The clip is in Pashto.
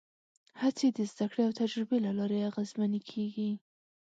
هڅې د زدهکړې او تجربې له لارې اغېزمنې کېږي.